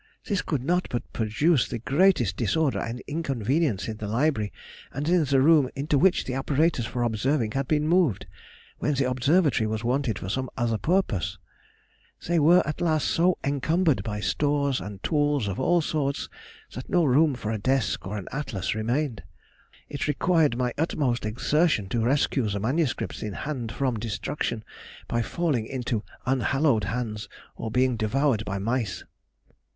This could not but produce the greatest disorder and inconvenience in the library and in the room into which the apparatus for observing had been moved, when the observatory was wanted for some other purpose; they were at last so encumbered by stores and tools of all sorts that no room for a desk or an Atlas remained. It required my utmost exertion to rescue the manuscripts in hand from destruction by falling into unhallowed hands or being devoured by mice.